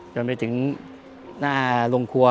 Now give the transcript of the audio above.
จนไปถึงหน้าโรงครัว